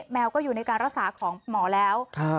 แมวก็อยู่ในการรักษาของหมอแล้ว